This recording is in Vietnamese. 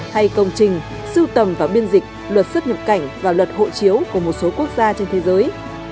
hay công trình sưu tầm và biên dịch luật xuất nhập cảnh và luật hộ chiếu của một số quốc gia trên thế giới